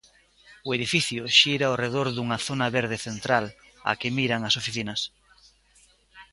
O edificio xira ao redor dunha zona verde central, á que miran as oficinas.